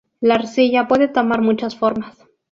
La arcilla puede tomar muchas formas.